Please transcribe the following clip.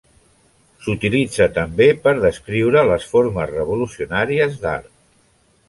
S'utilitza també per descriure les formes revolucionàries d'art.